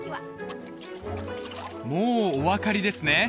もうお分かりですね？